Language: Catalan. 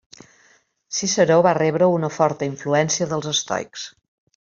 Ciceró va rebre una forta influència dels estoics.